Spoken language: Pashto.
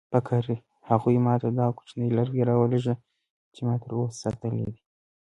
هغوی ما ته دغه کوچنی لرګی راولېږه چې ما تر اوسه ساتلی دی.